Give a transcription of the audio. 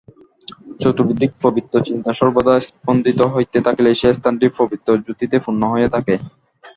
চতুর্দিকে পবিত্র চিন্তা সর্বদা স্পন্দিত হইতে থাকিলে সেই স্থানটি পবিত্র জ্যোতিতে পূর্ণ হইয়া থাকে।